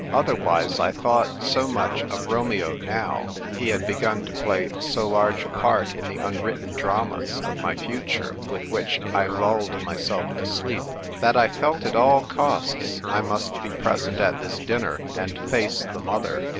Otherwise I thought so much of Romeo now — he had begun to play so large a part in the unwritten dramas of my future with which I lulled my self to sleep — that I felt at all costs I must be present at this dinner and face the mother.